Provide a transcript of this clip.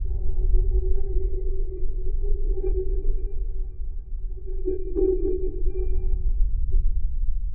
Baadhi ya sehemu za Kenya zimekuwa chini ya amri